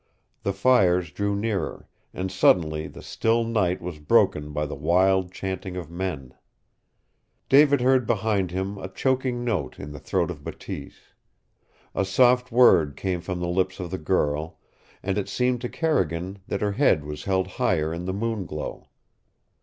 The fires drew nearer, and suddenly the still night was broken by the wild chanting of men. David heard behind him a choking note in the throat of Bateese. A soft word came from the lips of the girl, and it seemed to Carrigan that her head was held higher in the moon glow.